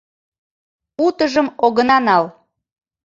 Утыжым огына нал.